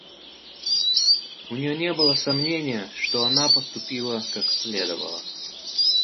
У нее не было сомнения, что она поступила как следовало.